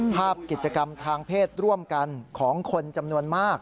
ภาพกิจกรรมทางเพศร่วมกันของคนจำนวนมาก